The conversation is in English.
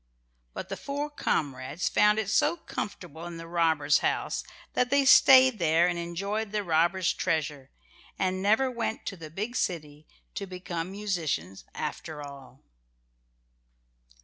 But the four comrades found it so comfortable in the robbers' house that they stayed there and enjoyed the robbers' treasure, and never went to the big city to become musicians after all.